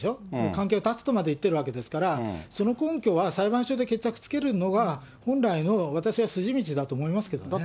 関係を断つとまで言ってるわけですから、その根拠は、裁判所で決着つけるのが本来の、私は筋道だと思いますけどもね。